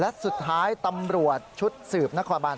และสุดท้ายตำรวจชุดสืบนครบาน